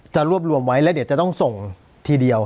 รวบรวมไว้แล้วเดี๋ยวจะต้องส่งทีเดียว